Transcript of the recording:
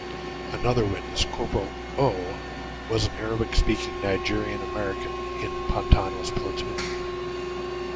Another witness, "Corporal 'O' ", was an Arabic-speaking Nigerian-American in Pantano's platoon.